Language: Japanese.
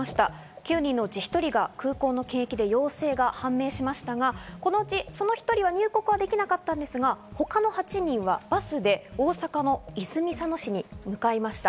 ９人のうち１人が空港の検疫で陽性が判明しましたが、その１人は入国できなかったんですが、他の８人はバスで大阪の泉佐野市に向かいました。